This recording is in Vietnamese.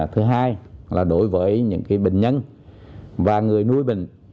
thứ hai là đối với những bệnh nhân và người nuôi bệnh